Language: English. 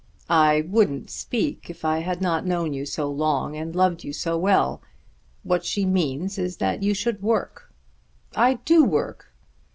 "I wouldn't speak if I had not known you so long, and loved you so well. What she means is that you should work." "I do work."